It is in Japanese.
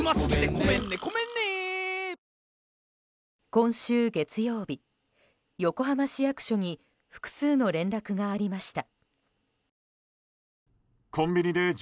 今週月曜日、横浜市役所に複数の連絡がありました。